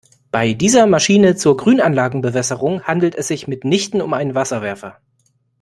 Bei dieser Maschine zur Grünanlagenbewässerung handelt es sich mitnichten um einen Wasserwerfer.